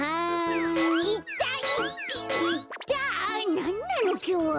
なんなのきょうは。